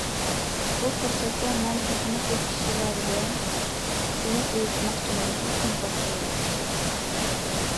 بۇ پۇرسەتتە مەن تېخىمۇ كۆپ كىشىلەرگە شۇنى ئېيتماقچىمەنكى، كومپارتىيە ياخشى!